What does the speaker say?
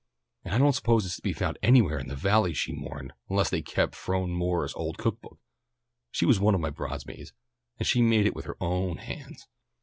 "And I don't suppose it's to be found anywhere in the Valley," she mourned, "unless they've kept Phronie Moore's old cook book. She was one of my bridesmaids, and she made it with her own hands.